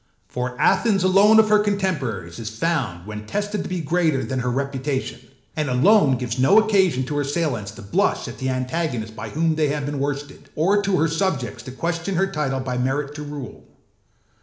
For Athens alone of her contemporaries is found when tested to be greater than her reputation, and alone gives no occasion to her assailants to blush at the antagonist by whom they have been worsted, or to her subjects to question her title by merit to rule.